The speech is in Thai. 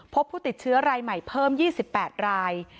พบผู้ติดเชื้อรายใหม่เพิ่ม๒๘ราย